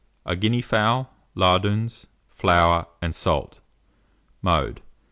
A Guinea fowl, lardoons, flour, and salt. Mode.